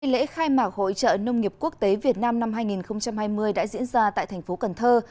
lễ khai mạc hội trợ nông nghiệp quốc tế việt nam năm hai nghìn hai mươi đã diễn ra tại thành phố cần thơ